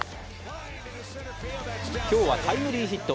今日はタイムリーヒット。